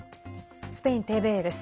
スペインＴＶＥです。